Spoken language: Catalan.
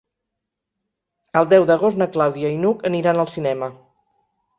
El deu d'agost na Clàudia i n'Hug aniran al cinema.